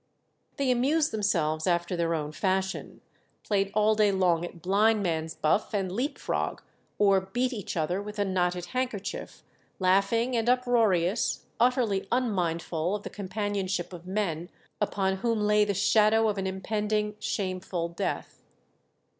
They amused themselves after their own fashion; played all day long at blind man's buff and leap frog, or beat each other with a knotted handkerchief, laughing and uproarious, utterly unmindful of the companionship of men upon whom lay the shadow of an impending shameful death.